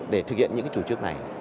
để thực hiện những chủ trương này